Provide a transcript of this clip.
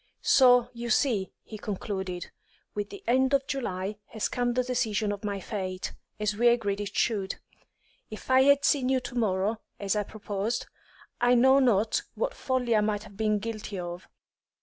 "So, you see," he concluded, "with the end of July has come the decision of my fate, as we agreed it should. If I had seen you to morrow, as I proposed, I know not what folly I might have been guilty of.